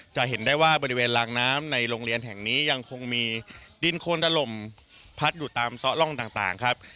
จะเห็นได้ว่าบริเวณลางน้ำในโรงเรียนแห่งนี้ยังคงมีดินโคนถล่มพัดอยู่ตามซ่อร่องต่างครับ